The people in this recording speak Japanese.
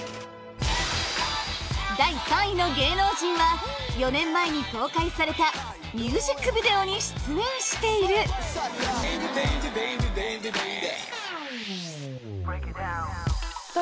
第３位の芸能人は４年前に公開されたミュージックビデオに出演している誰？